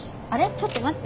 ちょっと待って。